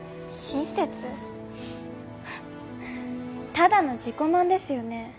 フッただの自己満ですよね。